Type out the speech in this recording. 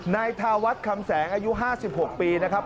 นายธาวัฒน์คำแสงอายุ๕๖ปีนะครับ